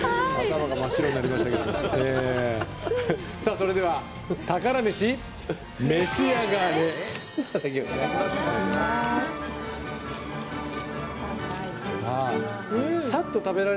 それでは宝メシ召し上があれ。